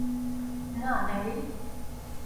না, ল্যারি!